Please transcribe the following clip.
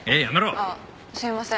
ああすいません。